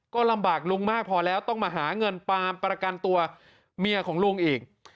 ก็ลำบากลุงมากพอแล้วต้องมาหาเงินปามประกันตัวเมียของลุงอีก